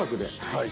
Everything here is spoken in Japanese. はい。